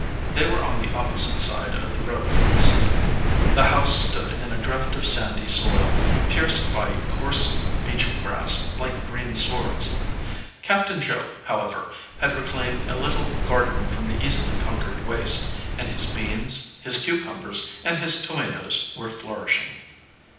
They were on the opposite side of the road from the sea. The house stood in a drift of sandy soil, 129 EDGEWATER PEOPLE pierced by coarse beach grass like green swords. Captain Joe, however, had reclaimed a little gar den from the easily conquered waste, and his beans, his cucumbers, and his tomatoes were flourishing.